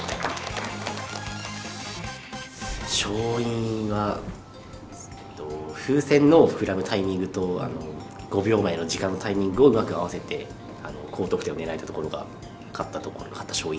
勝因はえっと風船の膨らむタイミングと５秒前の時間のタイミングをうまく合わせて高得点を狙えたところが勝ったところ勝った勝因。